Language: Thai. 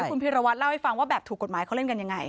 คุณพีรวัตรเล่าให้ฟังว่าแบบถูกกฎหมายเขาเล่นกันยังไง